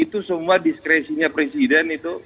itu semua diskresinya presiden itu